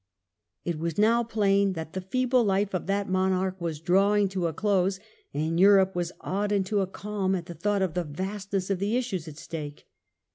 It was now plain that problem. ^^^ feeble life of that monarch was drawing to a close, and Europe was awed into a calm at the thought of the vastness of the issues at stake.